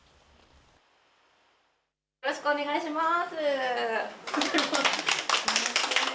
よろしくお願いします。